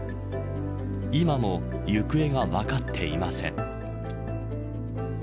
今も行方が分かっていません。